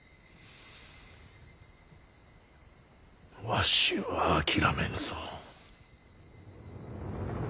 わしは諦めぬぞ。